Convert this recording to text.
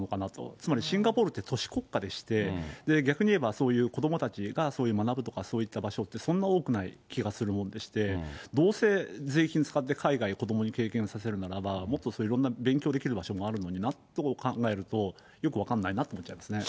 つまりシンガポールって都市国家でして、逆に言えば、そういう子どもたちが学ぶとかそういう所ってそんな多くない気がするもんでして、どうせ税金使って、海外、子どもに経験させるならばもっといろんな勉強できる場所もあるのになって考えると、よく分かんないなと思っちゃいますね。